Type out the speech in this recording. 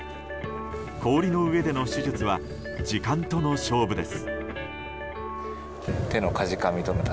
氷の上での手術は時間との勝負です。